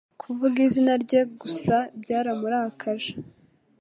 Kuvuga izina rye gusa byaramurakaje.